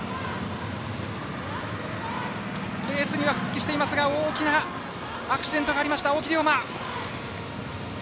レースには復帰していますが大きなアクシデント、青木涼真。